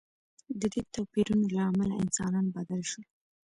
د دې توپیرونو له امله انسانان بدل شول.